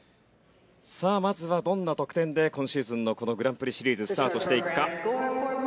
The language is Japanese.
さあまずはどんな得点で今シーズンのこのグランプリシリーズスタートしていくか。